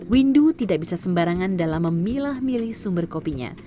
windu tidak bisa sembarangan dalam memilah milih sumber kopinya